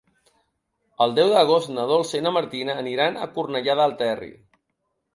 El deu d'agost na Dolça i na Martina aniran a Cornellà del Terri.